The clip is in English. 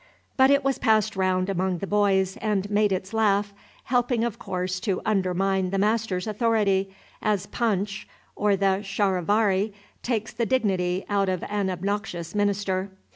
But it was passed round among the boys and made its laugh, helping of course to undermine the master's authority, as "Punch" or the "Charivari" takes the dignity out of an obnoxious minister.